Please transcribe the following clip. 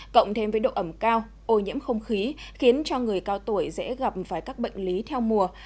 cộng thêm với độ ẩm cao ô nhiễm không khí khiến cho người cao tuổi dễ gặp phải các bệnh lý theo mùa